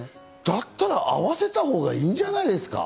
だったら合わせたほうがいいじゃないですか？